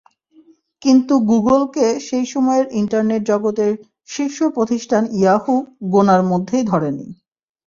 কিন্তু গুগলকে সেই সময়ের ইন্টারনেট জগতের শীর্ষ প্রতিষ্ঠান ইয়াহু গোনার মধ্যেই ধরেনি।